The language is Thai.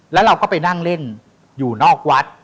แล้วเราก็ไปนั่งเล่นอยู่นอกวัด